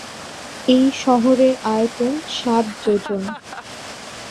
এই শহরের আয়তন সাত যোজন।